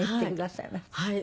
はい。